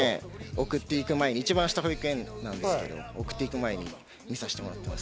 一番下が保育園なんですけど、送っていく前に見させてもらってます。